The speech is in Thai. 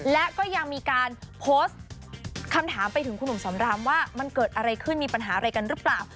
และก็ยังมีการโพสต์คำถามไปถึงคุณหนุ่มสำรามว่ามันเกิดอะไรขึ้นมีปัญหาอะไรกันหรือเปล่า